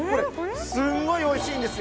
すんごいおいしいんです。